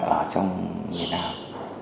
ở trong miền nam